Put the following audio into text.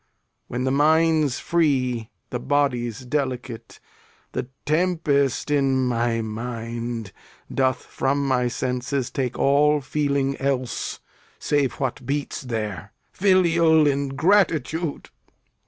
When the mind's free, The body's delicate. The tempest in my mind Doth from my senses take all feeling else Save what beats there. Filial ingratitude!